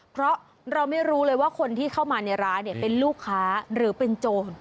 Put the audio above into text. เพราะเราไม่รู้เลยว่าคนที่เข้ามาในร้านเป็นลูกค้าหรือเป็นโจร